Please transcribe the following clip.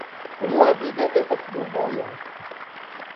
Unuavide estas du vojoj.